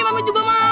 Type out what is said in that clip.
mam juga mau